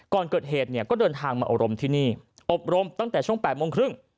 ก่อนเกิดเหตุเนี่ยก็เดินทางมาอบรมที่นี่อบรมตั้งแต่ช่วง๘โมงครึ่ง